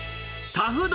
タフ丼？